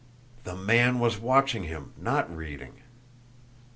THE MAN WAS WATCHING HIM NOT READING!